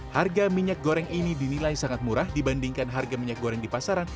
harga minyak goreng ini dinilai sangat murah dibandingkan harga minyak goreng di pasaran